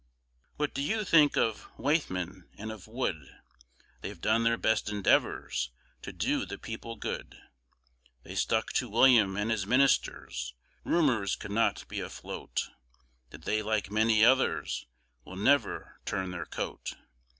What do you think of Waithman and of Wood? They've done their best endeavours to do the people good, They stuck to William & his Ministers, rumours could not be afloat, That they like many others will never turn their coat.